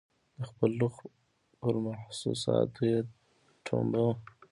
د خپل روح پر محسوساتو یې ټومبه